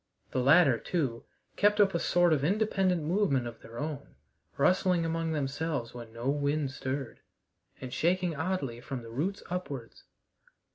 The latter, too, kept up a sort of independent movement of their own, rustling among themselves when no wind stirred, and shaking oddly from the roots upwards.